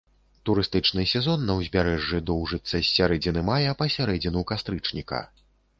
Турыстычны сезон на ўзбярэжжы доўжыцца з сярэдзіны мая па сярэдзіну кастрычніка.